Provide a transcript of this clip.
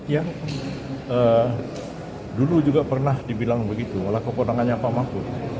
ya dulu juga pernah dibilang begitu walau keperluannya apa mah pun